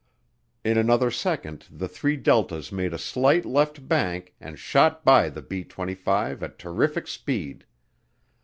In another second the three deltas made a slight left bank and shot by the B 25 at terrific speed.